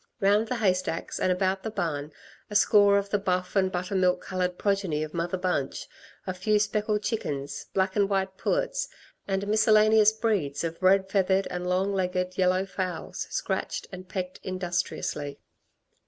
Round the haystacks and about the barn a score of the buff and buttermilk coloured progeny of Mother Bunch, a few speckled chickens, black and white pullets, and miscellaneous breeds of red feathered, and long legged, yellow fowls, scratched and pecked industriously.